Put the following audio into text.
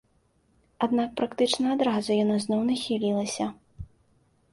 Аднак практычна адразу яна зноў нахілілася.